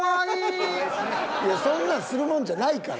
いやそんなんするもんじゃないから。